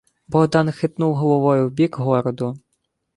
Богдан хитнув головою в бік городу.